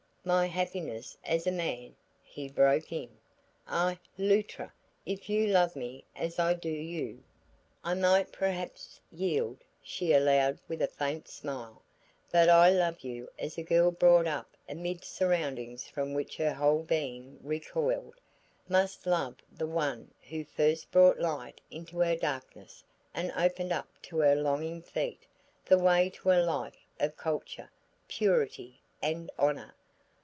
"My happiness as a man!" he broke in. "Ah, Luttra if you love me as I do you " "I might perhaps yield," she allowed with a faint smile. "But I love you as a girl brought up amid surroundings from which her whole being recoiled, must love the one who first brought light into her darkness and opened up to her longing feet the way to a life of culture, purity and honor.